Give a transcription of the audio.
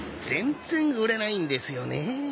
全然売れないんですよねえ。